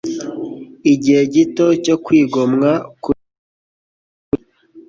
igihe gito cyo kwigomwa kurya,